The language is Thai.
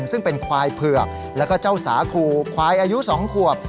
ซึ่งเป็นควายเผือกแล้วก็เจ้าสาคูควายอายุ๒ขวบ